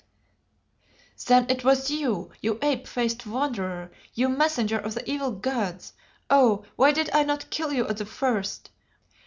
"Then it was you, you ape faced wanderer, you messenger of the evil gods? Oh! why did I not kill you at the first?